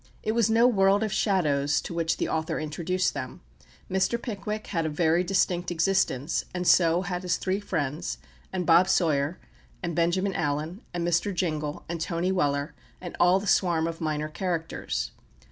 It was no world of shadows to which the author introduced them. Mr. Pickwick had a very distinct existence, and so had his three friends, and Bob Sawyer, and Benjamin Allen, and Mr. Jingle, and Tony Weller, and all the swarm of minor characters.